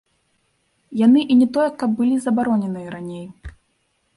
Яны і не тое каб былі забароненыя раней.